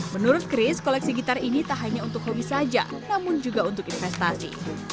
menurut chris koleksi gitar ini tak hanya untuk hobi saja namun juga untuk investasi